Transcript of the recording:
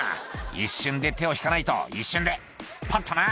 「一瞬で手を引かないと一瞬でパッとな」